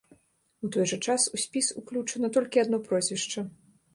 У той жа час у спіс уключана толькі адно прозвішча.